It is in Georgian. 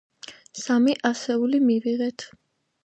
სამი ასეული მივიღეთ.